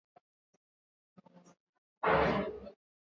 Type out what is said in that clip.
Matukio haya yamekua yakigusa katika kila nyanja ya habari